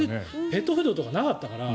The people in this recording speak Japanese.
ペットフードとかなかったから。